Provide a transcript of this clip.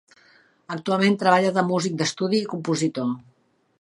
Actualment treballa de músic d'estudi i compositor.